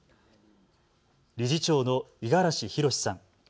理事長の五十嵐弘志さん。